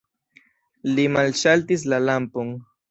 Li malŝaltis la lampon.